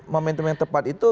momentum yang tepat itu